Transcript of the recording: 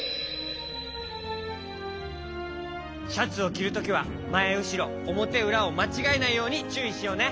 シャツをきるときはまえうしろおもてうらをまちがえないようにちゅういしようね。